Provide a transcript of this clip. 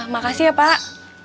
makasih ya pak